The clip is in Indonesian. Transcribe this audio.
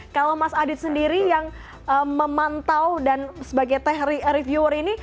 kalau mas adit sendiri yang memantau dan sebagai tech reviewer ini